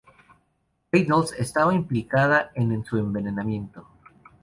Reynolds estaba implicada en su envenenamiento.